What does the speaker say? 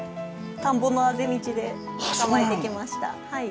田んぼのあぜ道で捕まえてきました。